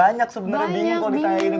ya banyak sebenernya bingung kalo ditanya ini